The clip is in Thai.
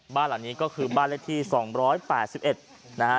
บ้านเหล่านี้ก็คือบ้านเลือกที่สองร้อยแปดสิบเอ็ดนะฮะ